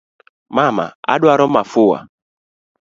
Mama, aduaro mafua